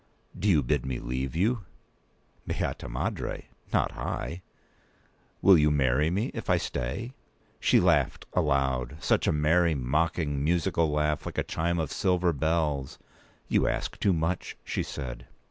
"Do you bid me leave you?" "Beata Madre! not I." "Will you marry me, if I stay?" She laughed aloud—such a merry, mocking, musical laugh, like a chime of silver bells! "You ask too much," she said.